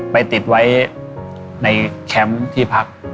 ไปติดไว้ในแคมป์ที่พัก